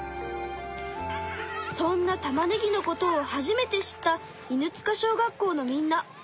そんなたまねぎのことを初めて知った犬塚小学校のみんな。